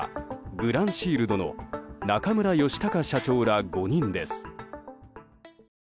グランシールドの中村佳敬社長ら５人です。